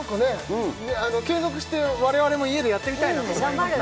継続して我々も家でやってみたいなと思いましたね